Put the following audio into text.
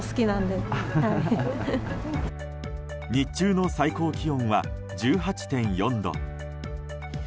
日中の最高気温は１８．４度。